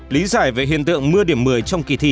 lý giải về hiện tượng mưa điểm một mươi trong kỳ thi